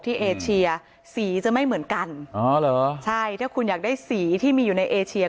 เอเชียสีจะไม่เหมือนกันอ๋อเหรอใช่ถ้าคุณอยากได้สีที่มีอยู่ในเอเชีย